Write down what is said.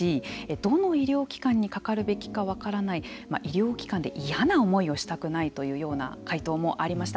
どの医療機関にかかるべきか分からない医療機関で嫌な思いをしたくないというような回答もありました。